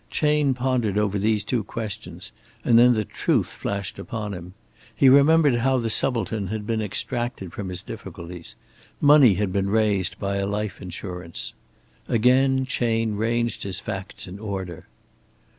Chayne pondered over those two questions and then the truth flashed upon him. He remembered how the subaltern had been extracted from his difficulties. Money had been raised by a life insurance. Again Chayne ranged his facts in order.